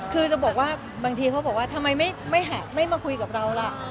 คือจะบอกว่าบางทีเขาบอกว่าทำไมไม่มาคุยกับเราล่ะ